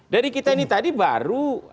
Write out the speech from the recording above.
dari kita ini tadi baru